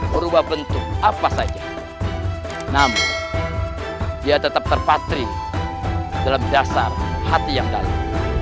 merubah bentuk apa saja namun dia tetap terpatri dalam dasar hati yang dalam